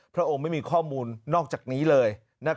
พระองค์ไม่มีข้อมูลนอกจากนี้เลย